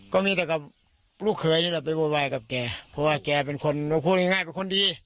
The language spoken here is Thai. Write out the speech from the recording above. ก็มีแต่กับลูกเขยนี่แหละไปโวยวายกับแกเพราะว่าแกเป็นคนพูดง่ายเป็นคนดี